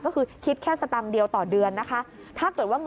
ก็คือคิดแค่สตังค์เดียวต่อเดือนนะคะ